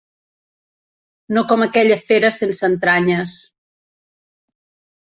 No com aquella fera sense entranyes.